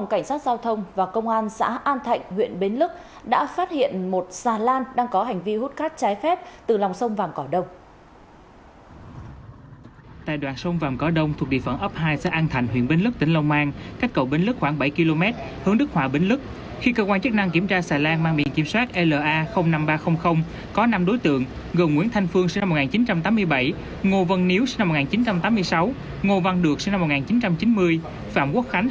ngô vân niếu sinh năm một nghìn chín trăm tám mươi sáu ngô văn được sinh năm một nghìn chín trăm chín mươi phạm quốc khánh sinh năm một nghìn chín trăm tám mươi bảy